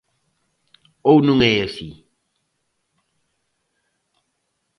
¿Ou non é así?